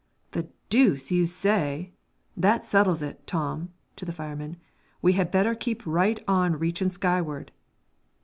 "The deuce you say! That settles it, Tom," to the fireman. "We had better keep right on reachin' skyward."